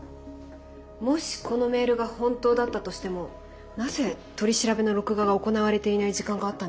もしこのメールが本当だったとしてもなぜ取り調べの録画が行われていない時間があったんでしょうね？